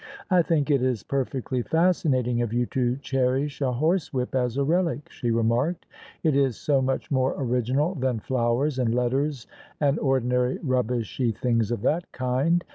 " I think it is perfectly fascinating of you to cherish a horsewhip as a relic," she remarked: "it is so much more original than flowers and letters and ordinary rubbishy things of that kind.